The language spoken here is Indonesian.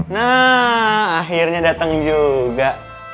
nah akhirnya datang juga